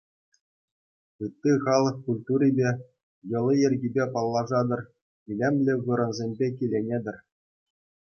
Ытти халӑх культурипе, йӑли-йӗркипе паллашатӑр, илемлӗ вырӑнсемпе киленетӗр.